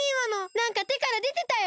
なんかてからでてたよ！？